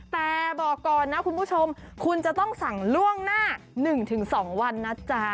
แต่บอกก่อนนะคุณผู้ชมคุณจะต้องสั่งล่วงหน้า๑๒วันนะจ๊ะ